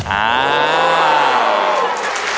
อ่า